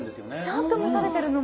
ちゃんと蒸されてるの。